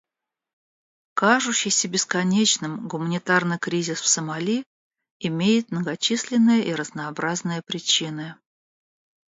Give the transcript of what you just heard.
Кажущийся бесконечным гуманитарный кризис в Сомали имеет многочисленные и разнообразные причины.